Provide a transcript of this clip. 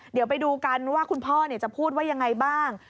เดี๋ยวไปดูกันว่าคุณพ่อจะพูดว่ายังไงบ้าง